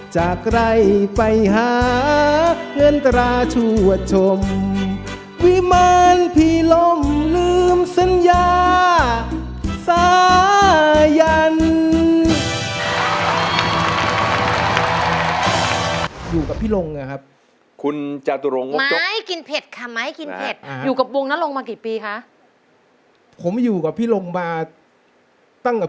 จากน้องสามปีอยู่วงดนตรีกลับจากน้องแก้วตาวิหกกับขอนดังที่ย้อนกลับลงคอยทั้งคืน